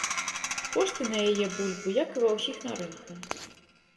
Кошты на яе бульбу, як і ва ўсіх на рынку.